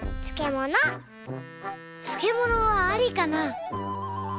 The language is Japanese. つけものはありかな。